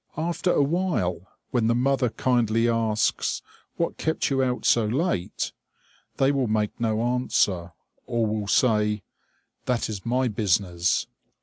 After a while, when the mother kindly asks, "What kept you out so late?" they will make no answer, or will say "That is my business!"